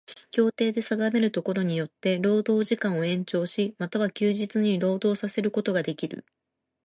協定で定めるところによつて労働時間を延長し、又は休日に労働させることができる。